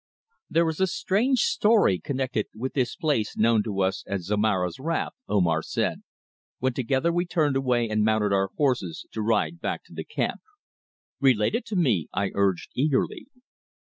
"THERE is a strange story connected with this place known to us as Zomara's Wrath," Omar said, when together we turned away and mounted our horses to ride back to the camp. "Relate it to me," I urged eagerly.